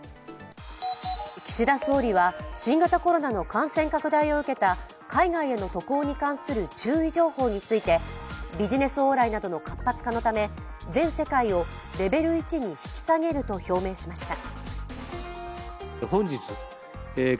岸田総理は新型コロナの感染拡大を受けた海外への渡航に関する注意情報について、ビジネス往来などの活発化のため全世界をレベル１に引き下げると表明しました。